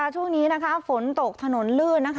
ช่วงนี้ฝนตกถนนลื่น